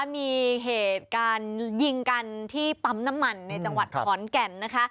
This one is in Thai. มีเหตุการณ์ยิงกันที่ปั๊มน้ำมันในจังหวัดขอนแก่นนะคะ